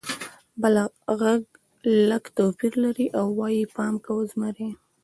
بل غږ لږ توپیر لري او وایي: «پام کوه! زمری!»